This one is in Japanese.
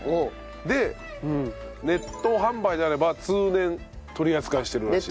でネット販売であれば通年取り扱いしてるらしい。